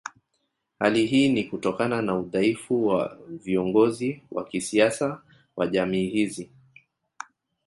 Hali hii ni Kutokana na udhaifu wa viongozi wa kisiasa wa jamii hizi